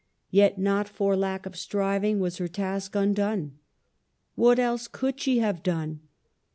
Yet not for lack of striving was her task undone. What else could she have done?